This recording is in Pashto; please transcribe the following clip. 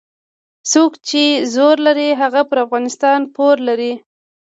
څوک چې زور لري هغه پر افغانستان پور لري.